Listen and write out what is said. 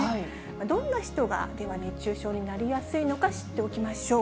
どんな人が、では熱中症になりやすいのか知っておきましょう。